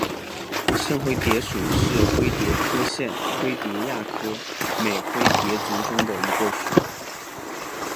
圣灰蝶属是灰蝶科线灰蝶亚科美灰蝶族中的一个属。